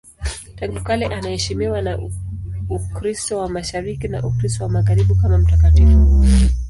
Tangu kale anaheshimiwa na Ukristo wa Mashariki na Ukristo wa Magharibi kama mtakatifu.